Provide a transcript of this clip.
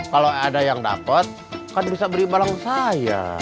kalau ada yang dapet kan bisa beli barang saya